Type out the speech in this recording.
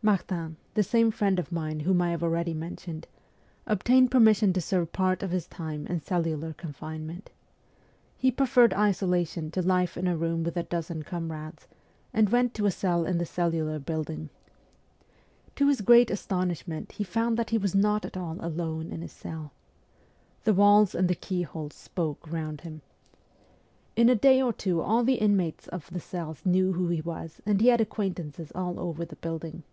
Martin, the same friend of mine whom I have already mentioned, obtained permission to serve part of his time in cellular confinement. He preferred isola tion to life in a room with a dozen comrades, and went to a cell in the cellular building. To his great astonish ment he found that he was not at all alone in his cell. The walls and the keyholes spoke round him. In a 280 MEMOIRS OF A REVOLUTIONIST day or two all the inmates of the cells knew who he was, and he had acquaintances all over the building.